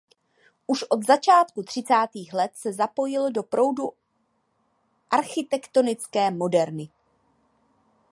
Už od začátku třicátých let se zapojil do proudu architektonické moderny.